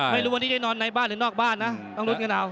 ไม่รู้วันนี้ได้นอนในบ้านหรือนอกบ้านนะต้องลุ้นกันเอา